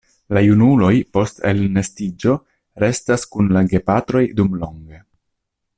La junuloj post elnestiĝo restas kun la gepatroj dumlonge.